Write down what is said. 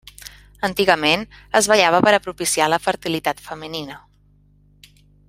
Antigament, es ballava per a propiciar la fertilitat femenina.